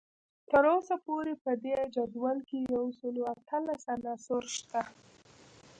تر اوسه پورې په دې جدول کې یو سل او اتلس عناصر شته